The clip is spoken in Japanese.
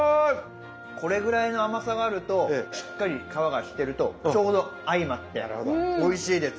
これぐらいの甘さがあるとしっかり皮がしてるとちょうど相まっておいしいです。